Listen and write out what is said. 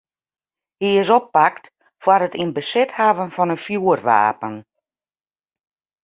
Hy is oppakt foar it yn besit hawwen fan in fjoerwapen.